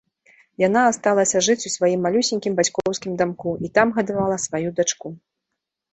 Яна асталася жыць у сваім малюсенькім бацькоўскім дамку і там гадавала сваю дачку.